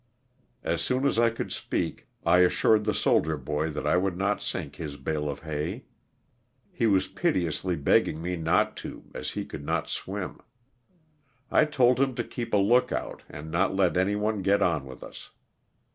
As soon as I could speak I assured the soldier boy that I would not sink his bale of hay. He was piteously begging me not to as he could not swim. I told him to keep a look out and not let any one get on with us.